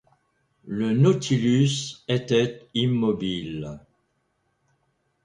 Le Nautilus était immobile.